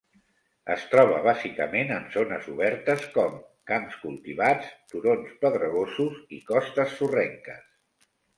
Es troba bàsicament en zones obertes com: camps cultivats, turons pedregosos i costes sorrenques.